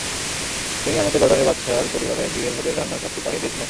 তিনিই আমাকে জর্ডানের বাদশার পরিবারের বিয়ের ভোজের রান্নার কাজটি পাইয়ে দিয়েছিলেন।